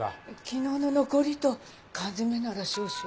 昨日の残りと缶詰なら少々。